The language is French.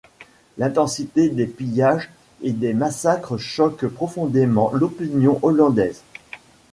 L'intensité des pillages et des massacres choque profondément l'opinion hollandaise.